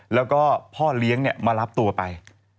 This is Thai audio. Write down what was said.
แล้วก็พ่อเลี้ยงมารับตัวไป